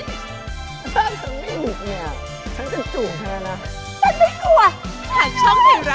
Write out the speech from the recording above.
ถ้าฉันไม่หยุดเนี่ยฉันจะจุนแม่นะ